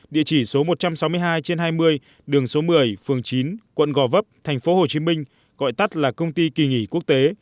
địa chỉ số một trăm sáu mươi hai trên hai mươi đường số một mươi phường chín quận gò vấp tp hcm gọi tắt là công ty kỳ nghỉ quốc tế